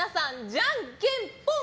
じゃんけんポン！